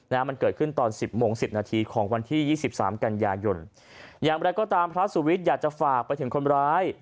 มันเกิดขึ้นตอนสิบโมงสิบนาทีของวันที่ยี่สิบสามกันยายนอย่างไรก็ตามพระสุวิทย์อยากจะฝากไปถึงคนร้าย